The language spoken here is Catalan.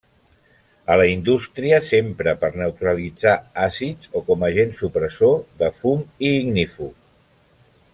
A la indústria s'empra per neutralitzar àcids o com agent supressor de fum i ignífug.